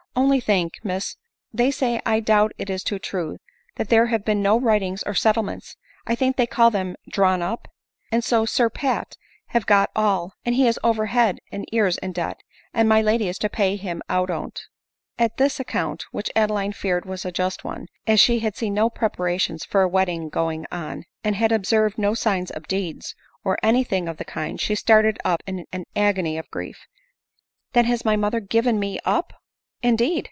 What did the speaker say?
" Only, think, Miss ! they say, and 1 doubt it is too true, that there have been no writings or settlements, I think they call them, drawn up ; and so Sir Pat have got all, and he is over head and ears in debt, and my lady is to pay him out on't !" At this account, which Adeline feared was a just one, as she had seen no preparations for a wedding going cm, and had observed no signs of deeds, or any thing of the kind, she started up in an agony of grief— " Then has my mother given me up, indeed